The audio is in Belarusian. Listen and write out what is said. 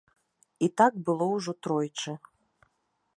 І так было ўжо тройчы.